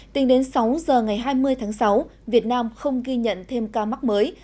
tính đến sáu giờ ngày hai mươi tháng sáu việt nam không ghi nhận thêm ca mắc mới